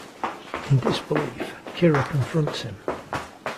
In disbelief, Kira confronts him.